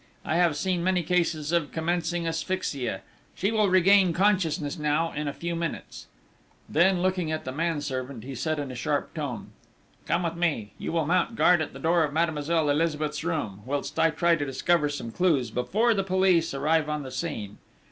I have seen many cases of commencing asphyxia: she will regain consciousness now, in a few minutes." Then, looking at the manservant, he said in a sharp tone: "Come with me! You will mount guard at the door of Mademoiselle Elizabeth's room, whilst I try to discover some clues, before the police arrive on the scene."